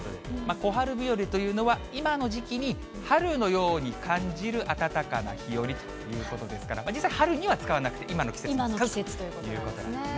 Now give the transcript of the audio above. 小春日和というのは、今の時期に春のように感じる暖かな日和ということですから、実際春には使わなくて、今の季節に使うということなんですね。